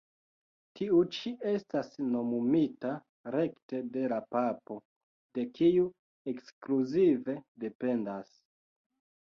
Tiu ĉi estas nomumita rekte de la Papo, de kiu ekskluzive dependas.